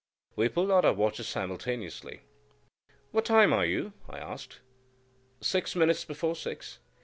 We pulled out our watches simultaneously. "What time are you?" I said. "Six minutes before six."